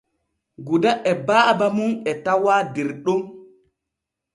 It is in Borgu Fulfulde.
Guda e baaba mum e tawaa der ɗon.